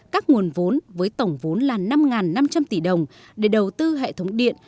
các nguồn vốn với tổng vốn là năm năm trăm linh tỷ đồng để đầu tư hệ thống điện